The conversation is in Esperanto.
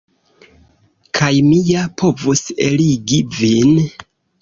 Kaj mi ja povus eligi vin.